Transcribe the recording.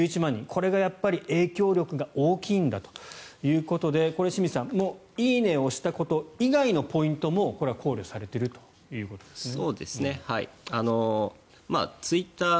これが影響力が大きいんだということでこれ、清水さん「いいね」を押したこと以外のポイントもこれは考慮されているということですね。